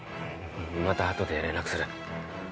またあとで連絡する。